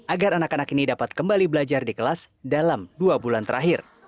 agar anak anak ini dapat kembali belajar di kelas dalam dua bulan terakhir